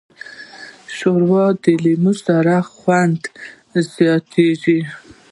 ښوروا د لیمو سره خوند زیاتیږي.